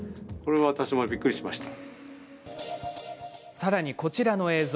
さらに、こちらの映像。